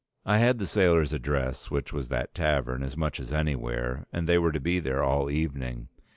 I had the sailors' address which was that tavern as much as anywhere, and they were to be there all evening.